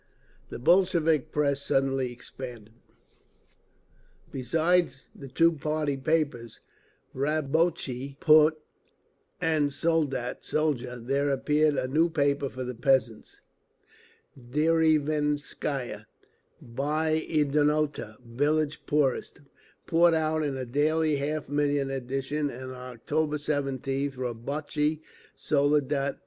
The Bolshevik press suddenly expanded. Besides the two party papers, Rabotchi Put and Soldat (Soldier), there appeared a new paper for the peasants, Derevenskaya Byednota (Village Poorest), poured out in a daily half million edition; and on October 17th, _Rabotchi i Soldat.